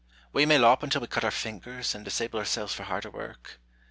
"We may lop until we cut our fingers and dis able ourselves for harder work.